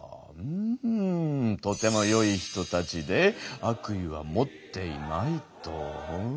とてもよい人たちで悪意は持っていないと。